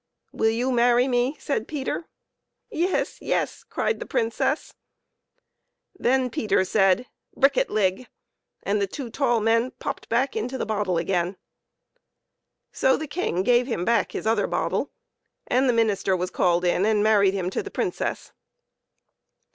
" Will you marry me ?" said Peter. " Yes ! yes !" cried the Princess. Then Peter said " brikket ligg !" and the two tall men popped back into the bottle again. So the King gave him back his other bottle, and the minister was called in and married him to the Princess.